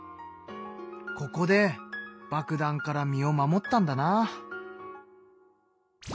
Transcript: ここで爆弾から身を守ったんだな。